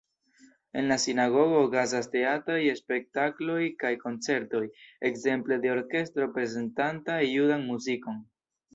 En la sinagogo okazas teatraj spektakloj kaj koncertoj, ekzemple de orkestro prezentanta judan muzikon.